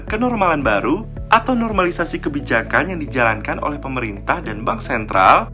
kenormalan baru atau normalisasi kebijakan yang dijalankan oleh pemerintah dan bank sentral